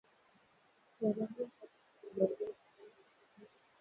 wa raia katika nyanja zote kama vile uchumi siasa jinsia na Fikra Kuelezea kutunza